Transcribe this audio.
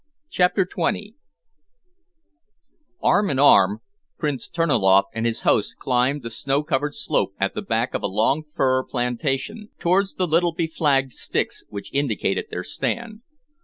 CHAPTER XX Arm in arm, Prince Terniloff and his host climbed the snow covered slope at the back of a long fir plantation, towards the little beflagged sticks which indicated their stand.